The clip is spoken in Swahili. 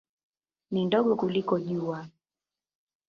Ni ndogo kuliko Jua.